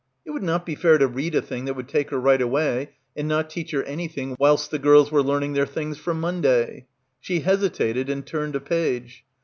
It would not be fair to read a thing that would take her right away and not teach her anything whilst the girls were learning their things for Monday. She hesi tated and turned a page.